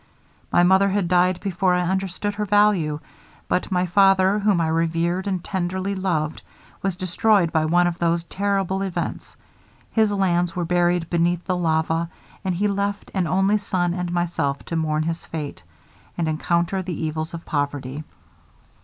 My mother had died before I understood her value; but my father, whom I revered and tenderly loved, was destroyed by one of those terrible events; his lands were buried beneath the lava, and he left an only son and myself to mourn his fate, and encounter the evils of poverty.